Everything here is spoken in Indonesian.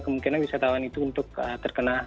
kemungkinan wisatawan itu untuk terkena